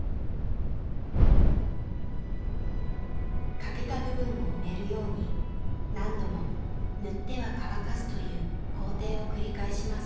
欠けた部分を埋めるように何度も塗っては乾かすという工程を繰り返します。